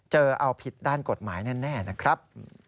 จะเอาผิดด้านกฎหมายแน่นะครับ